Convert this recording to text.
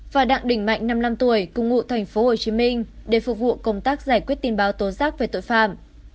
và đặng đình mạnh năm mươi năm tuổi cùng ngụ tp hcm để phục vụ công tác giải quyết tin báo tố giác về tội phạm